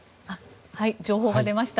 情報が出ました。